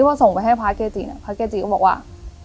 ว่าส่งไปให้พระเกจิเนี่ยพระเกจิก็บอกว่า